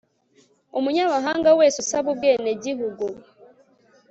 umunyamahanga wese usaba ubwenegihugu